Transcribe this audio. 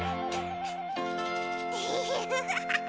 フフフフ。